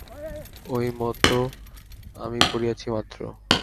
ঐ মত আমি পড়িয়াছি মাত্র।